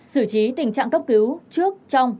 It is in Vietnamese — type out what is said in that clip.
sử trí tình trạng cấp cứu trước trong